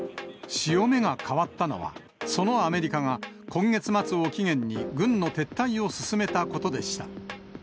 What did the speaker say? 潮目が変わったのは、そのアメリカが今月末を期限に軍の撤退を進めたことでした。